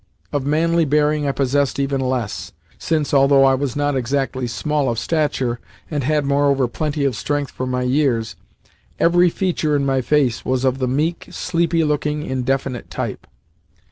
Of manly bearing I possessed even less, since, although I was not exactly small of stature, and had, moreover, plenty of strength for my years, every feature in my face was of the meek, sleepy looking, indefinite type.